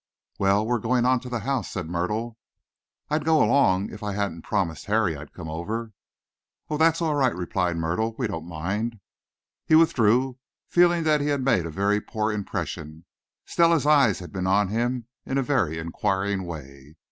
"Well, we're going on to the house," said Myrtle. "I'd go along if I hadn't promised Harry I'd come over." "Oh, that's all right," replied Myrtle. "We don't mind." He withdrew, feeling that he had made a very poor impression. Stella's eyes had been on him in a very inquiring way.